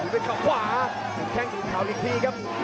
เป็นข้าวขวาแข่งถูกขาวอีกทีครับ